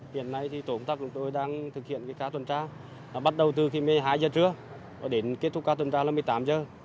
hiện nay tổ công tác của chúng tôi đang thực hiện các tuần tra bắt đầu từ một mươi hai h trưa đến kết thúc các tuần tra là một mươi tám h